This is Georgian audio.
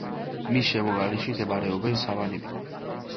მის შემოგარენში მდებარეობენ სავანები.